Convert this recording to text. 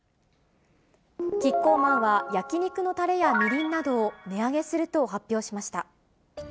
キッコーマンは焼き肉のたれやみりんなどを値上げすると発表しました。